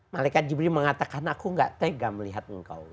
malikat jibril mengatakan aku tidak tega melihat engkau